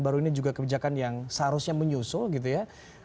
baru ini juga kebijakan yang seharusnya menyusul gitu ya